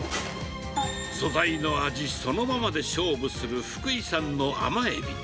素材の味そのままで勝負する福井産の甘エビ。